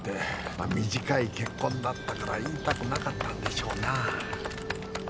まっ短い結婚だったから言いたくなかったんでしょうな。